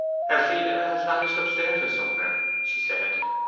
'Elfride has vanished upstairs or somewhere,' she said.